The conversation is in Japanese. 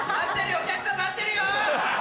お客さん待ってるよ！